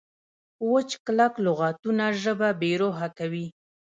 وچ کلک لغتونه ژبه بې روحه کوي.